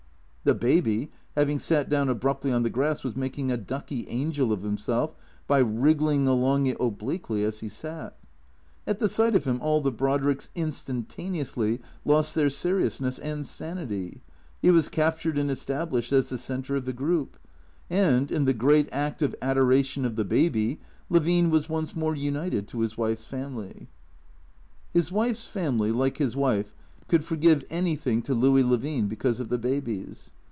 The Baby, having sat down abruptly on the grass, was making a ducky angel of himself by wriggling along it, obliquely, as he sat. At the sight of him all the Brodricks instantaneously lost their seriousness and sanity. He was captured and established as the centre of the group. And, in the great act of adoration of the Baby, Levine was once more united to his wife's family. His wife's family, like his wife, could forgive anything to Louis Levine because of the babies.